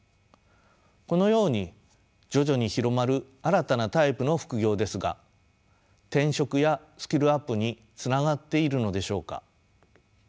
このように徐々に広まる新たなタイプの副業ですが転職やスキルアップにつながっているのでしょうか。